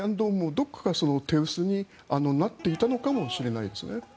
どこかが手薄になっていたのかもしれないですね。